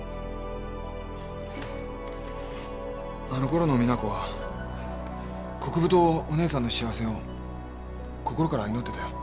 あのころの実那子は国府とお姉さんの幸せを心から祈ってたよ。